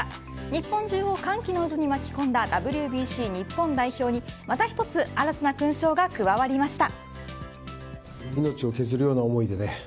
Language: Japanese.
日本中を歓喜の渦に巻き込んだＷＢＣ日本代表にまた１つ新たな勲章が加わりました。